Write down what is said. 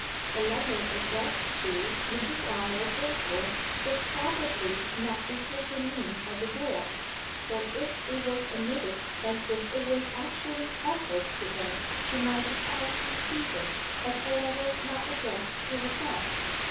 A letter addressed to "Mrs. Arnold Brinkworth" would probably not be taken in at the door; or if it was admitted and if it was actually offered to her, she might decline to receive it, as a letter not addressed to herself.